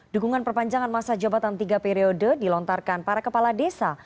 dukungan perpanjangan masa jabatan tiga periode dilontarkan para kepala desa